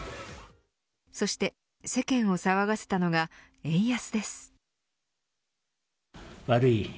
そして世間を騒がせたのが円安です。